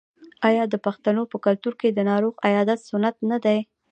آیا د پښتنو په کلتور کې د ناروغ عیادت سنت نه دی؟